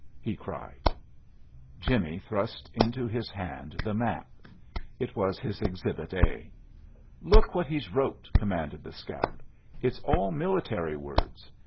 he cried. Jimmie thrust into his hand the map. It was his "Exhibit A." "Look what he's wrote," commanded the scout. "It's all military words.